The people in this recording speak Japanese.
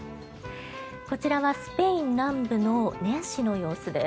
こちらはスペイン南部の年始の様子です。